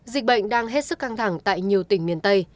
dịch bệnh đang hết sức căng thẳng tại nhiều tỉnh miền tây